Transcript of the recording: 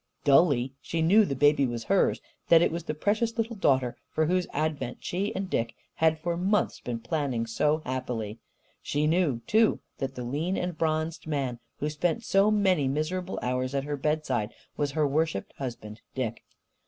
Dully, she knew the baby was hers, that it was the precious little daughter for whose advent she and Dick had for months been planning so happily. She knew, too, that the lean and bronzed man who spent so many miserable hours at her bedside was her worshipped husband, Dick.